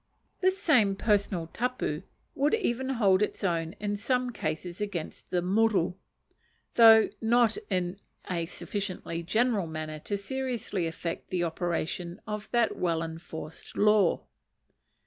This same personal tapu would even hold its own in some cases against the muru; though not in a sufficiently general manner to seriously affect the operation of that well enforced law.